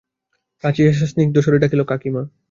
কাছে আসিয়া স্নিগ্ধস্বরে ডাকিল, কাকীমা।